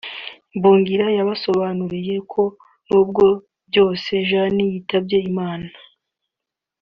Mbungira yabasobanuriye ko nubwo bwose Jeanne yitabye Imana